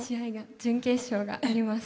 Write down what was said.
準決勝があります。